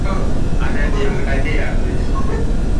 Ananiangalia